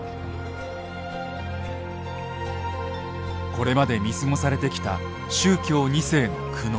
これまで見過ごされてきた宗教２世の苦悩。